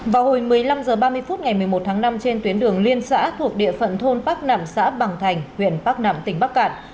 vào hồi một mươi năm h ba mươi phút ngày một mươi một tháng năm trên tuyến đường liên xã thuộc địa phận thôn bắc nẵm xã bằng thành huyện bắc nạm tỉnh bắc cạn